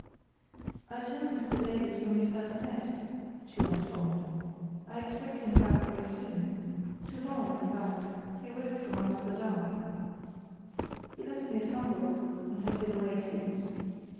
"I told Mr Davies when we first met," she went on. "I expect him back very soon—to morrow in fact; he wrote from Amsterdam. He left me at Hamburg and has been away since.